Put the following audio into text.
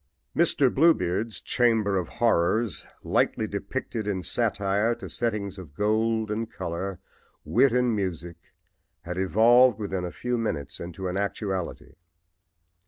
"Mr. Bluebeard's" chamber of horrors, lightly depicted in satire to settings of gold and color, wit and music, had evolved within a few minutes into an actuality.